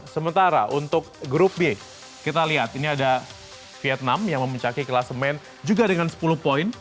sementara untuk grup b kita lihat ini ada vietnam yang memuncaki kelasemen juga dengan sepuluh poin